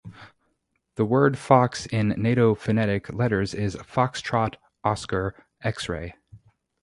The word fox in Nato phonetic letters is Foxtrot, Oscar, Xray.